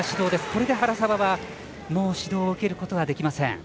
これで原沢は、もう指導を受けることはできません。